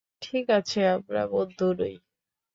ঠিক আছে, আমরা বন্ধু নই।